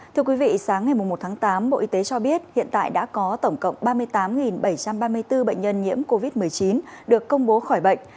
thưa quý vị sáng ngày một tháng tám bộ y tế cho biết hiện tại đã có tổng cộng ba mươi tám bảy trăm ba mươi bốn bệnh nhân nhiễm covid một mươi chín được công bố khỏi bệnh